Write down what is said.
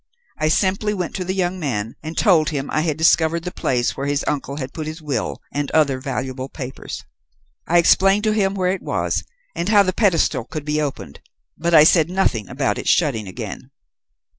I simply went to the young man, and told him I had discovered the place where his uncle had put his will and other valuable papers. I explained to him where it was and how the pedestal could be opened, but I said nothing about its shutting again.